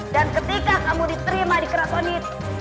dan ketika kamu diterima di keraton itu